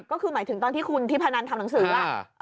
ก็คือหมายถึงตอนที่คุณทิพนันทำหนังสือว่า